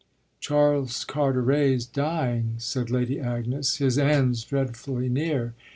"Charles Carteret's dying," said Lady Agnes "his end's dreadfully near.